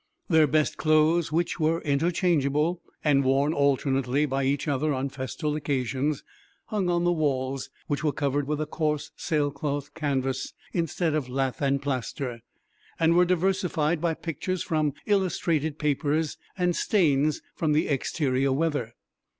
Their best clothes, which were interchangeable and worn alternately by each other on festal occasions, hung on the walls, which were covered with a coarse sailcloth canvas instead of lath and plaster, and were diversified by pictures from illustrated papers and stains from the exterior weather.